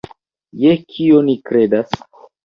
Je kio ni kredas?